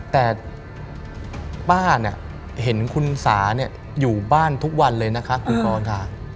แต่ป้าเนี่ยเห็นคุณสาอยู่บ้านทุกวันเลยนะคะคุณกรค่ะ